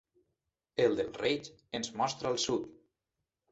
El del Reig ens mostra el sud.